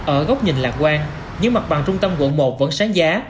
ở góc nhìn lạc quan những mặt bằng trung tâm quận một vẫn sáng giá